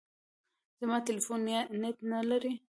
زما ټلیفون نېټ نه لري .